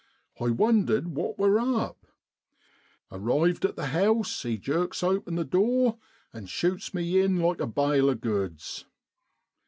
I won dered what wor up ! Arrived at the house he jerks open the door an' shoots me in like a bale o' goods.